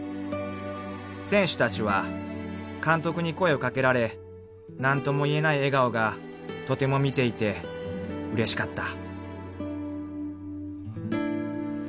［「選手達は監督に声をかけられ何ともいえない笑顔がとても見ていて嬉しかった」］